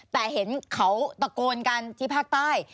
แต่เห็นเขาตะโกนกันที่ภาคใต้